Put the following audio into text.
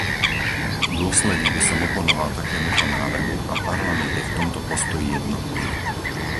Dôsledne by som oponoval takémuto návrhu a Parlament je v tomto postoji jednotný.